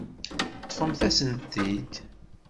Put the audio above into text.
Ṭṭfemt-asent-t-id.